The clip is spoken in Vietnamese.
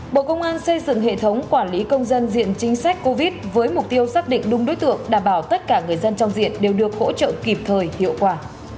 bộ công an xây dựng hệ thống quản lý công dân diện chính sách covid với mục tiêu xác định đúng đối tượng đảm bảo tất cả người dân trong diện đều được hỗ trợ kịp thời hiệu quả